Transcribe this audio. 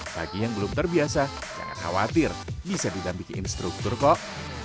lagi yang belum terbiasa jangan khawatir bisa ditampilin struktur kok